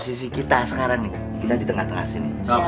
sisi kita sekarang nih kita di tengah tengah sini